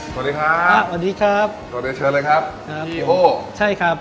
สวัสดีครับสวัสดีครับสวัสดีเชิญเลยครับครับพี่โอ้ใช่ครับ